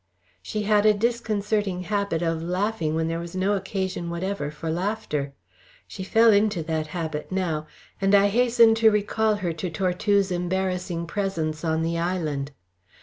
She had a disconcerting habit of laughing when there was no occasion whatever for laughter. She fell into that habit now, and I hastened to recall her to Tortue's embarrassing presence on the island.